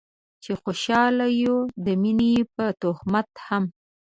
چې خوشحاله يو د مينې په تهمت هم